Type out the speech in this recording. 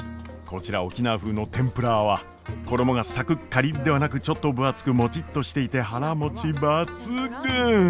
こちら沖縄風のてんぷらーは衣がサクッカリッではなくちょっと分厚くもちっとしていて腹もち抜群！